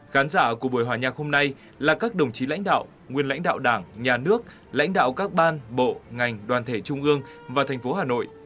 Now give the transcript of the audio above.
khán giả của buổi hòa nhạc hôm nay là các đồng chí lãnh đạo nguyên lãnh đạo đảng nhà nước lãnh đạo các ban bộ ngành đoàn thể trung ương và thành phố hà nội